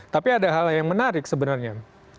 tapi ada hal yang menarik sebenarnya